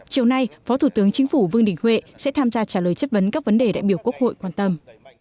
chiều nay phó thủ tướng chính phủ vương đình huệ sẽ tham gia trả lời chất vấn các vấn đề đại biểu quốc hội quan tâm